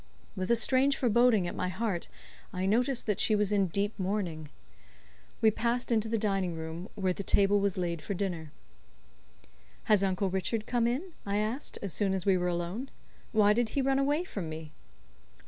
With a strange foreboding at my heart I noticed that she was in deep mourning. We passed into the dining room, where the table was laid for dinner. "Has Uncle Richard come in?" I asked, as soon as we were alone. "Why did he run away from me?"